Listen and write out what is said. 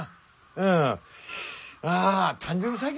うん。